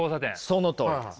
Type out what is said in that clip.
そのとおりです。